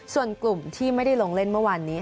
ส่วนกลุ่มที่ไม่ได้ลงเล่นเมื่อวานนี้